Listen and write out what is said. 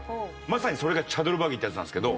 まさにそれがチャドルバギってやつなんですけど